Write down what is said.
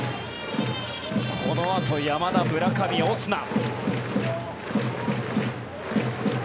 このあと、山田、村上、オスナ。